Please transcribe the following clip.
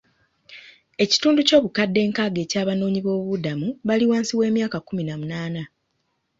Ekitundu ky'obukadde enkaaga eky'Abanoonyiboobubudamu bali wansi w'emyaka kkumi na munaana.